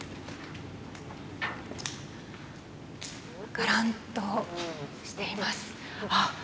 がらんとしています。